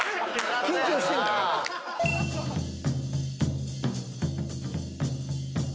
緊張してんだね